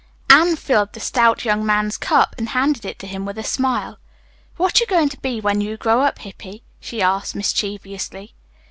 Anne filled the stout young man's cup and handed it to him with a smile. "What are you going to be when you grow up, Hippy?" she asked mischievously.